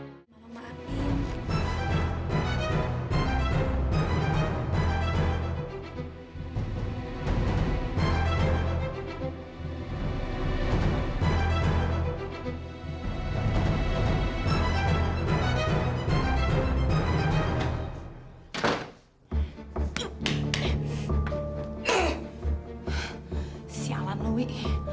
sampai jumpa di video selanjutnya